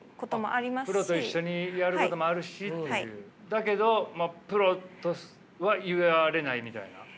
だけどプロとは言われないみたいな。